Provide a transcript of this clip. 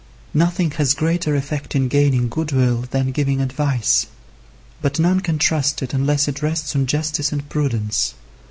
Nothing has greater effect in gaining good will than giving advice; but none can trust it unless it rests on justice and prudence.